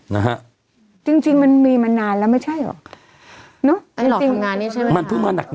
นะฮะจริงจริงมันมีมานานแล้วไม่ใช่หรอก